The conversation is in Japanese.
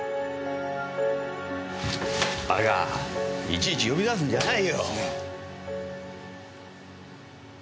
いちいち呼び出すんじゃないよ！